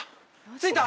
着いた？